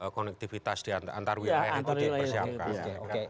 konektivitas diantar wilayah itu di persiapkan